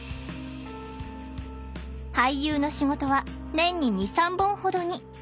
俳優の仕事は年に２３本ほどに。